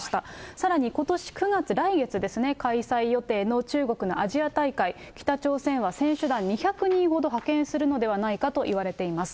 さらにことし９月、来月ですね、開催予定の中国のアジア大会、北朝鮮は選手団２００人ほど派遣するのではないかといわれています。